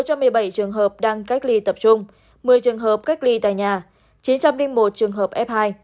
trong đó một trăm một mươi bảy trường hợp đang cách ly tập trung một mươi trường hợp cách ly tại nhà chín trăm linh một trường hợp f hai